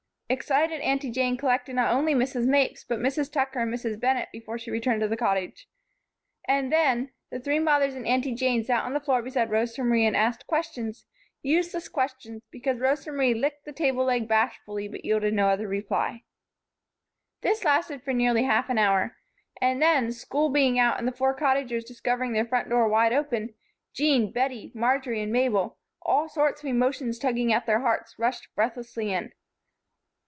Excited Aunty Jane collected not only Mrs. Mapes, but Mrs. Tucker and Mrs. Bennett, before she returned to the Cottage. And then, the three mothers and Aunty Jane sat on the floor beside Rosa Marie and asked questions; useless questions, because Rosa Marie licked the table leg bashfully but yielded no other reply. This lasted for nearly half an hour. And then, school being out and the four Cottagers discovering their front door wide open, Jean, Bettie, Marjory and Mabel, all sorts of emotions tugging at their hearts, rushed breathlessly in.